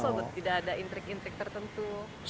so far so good tidak ada intrik intrik tertentu